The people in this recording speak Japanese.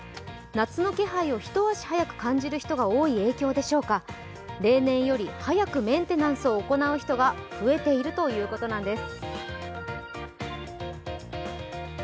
夏の気配を一足早く感じる人が多い影響でしょうか例年より早くメンテナンスを行う人が増えているということなんです。